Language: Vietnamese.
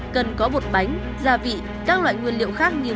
cần có bột bánh gia vị các loại nguyên liệu khác như